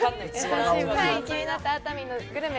気になった熱海のグルメ